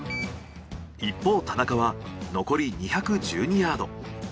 一方田中は残り２１２ヤード。